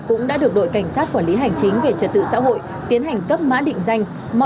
cũng đã được đội cảnh sát quản lý hành chính về trật tự xã hội tiến hành cấp mã định danh